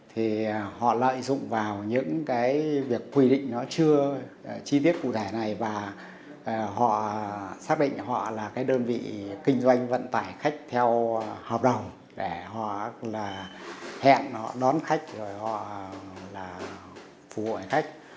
họ lợi dụng vào những việc quy định chưa chi tiết cụ thể này và họ xác định họ là đơn vị kinh doanh vận tải khách theo hợp đồng để họ hẹn họ đón khách họ phù hội khách